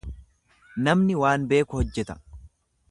Namni waan beeku hojjeta.